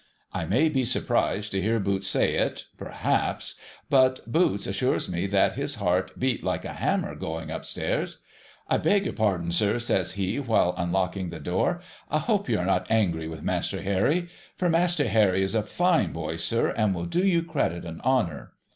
I may be surprised to hear Boots say it, perhaps ; but Boots assures me that his heart beat like a hammer, going up stairs. ' I beg your pardon, sir,' says he, while unlocking the door ;' I hope you are not angry with Master Harry. For Master Harry is a fine boy, sir, and will do you credit and honour.'